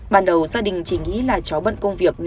ban đầu gia đình chỉ nghĩ là cháu bận công việc